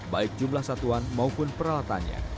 baik jumlah satuan maupun peralatannya